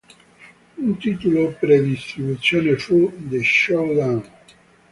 Un titolo pre-distribuzione fu "The Showdown".